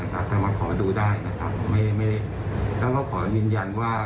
ถ้าว่าขอดูได้แล้วก็ขอมินยันว่า